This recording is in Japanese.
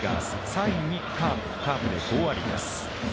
３位にカープ、カープで５割です。